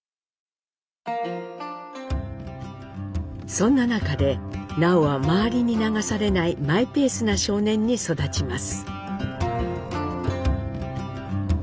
そんな中で南朋は周りに流されないマイペースな少年に育ちます。